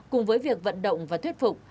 cùng với việc vận động và thuyết phục